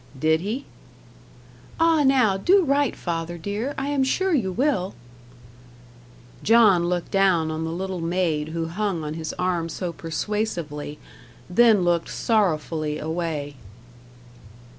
"Did he?" "Ah now, do write, father dear I am sure you will." John looked down on the little maid who hung on his arm so persuasively, then looked sorrowfully away.